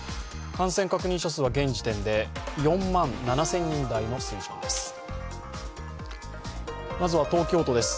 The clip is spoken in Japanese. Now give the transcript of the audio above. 感染確認者数は現時点で４万７０００人台の水準です。